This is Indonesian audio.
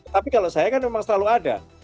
tapi kalau saya kan memang selalu ada